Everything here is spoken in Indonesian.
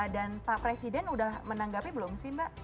dan pak presiden sudah menanggapi belum sih mbak